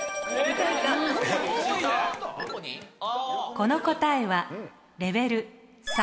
この答えはレベル３。